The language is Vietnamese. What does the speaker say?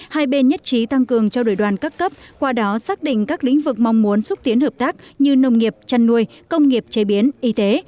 hai bên nhất trí tăng cường trao đổi đoàn các cấp qua đó xác định các lĩnh vực mong muốn xúc tiến hợp tác như nông nghiệp chăn nuôi công nghiệp chế biến y tế